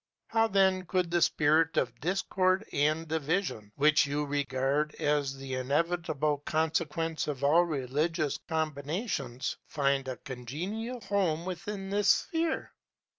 How then could the spirit of discord and division which you regard as the inevitable consequence of all religious combinations find a congenial home within this sphere?